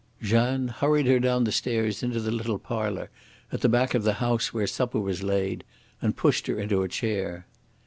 Jeanne hurried her down the stairs into the little parlour at the back of the house, where supper was laid, and pushed her into a chair.